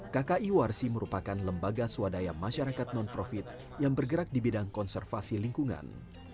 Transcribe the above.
kki warsi merupakan lembaga swadaya masyarakat non profit yang bergerak di bidang konservasi lingkungan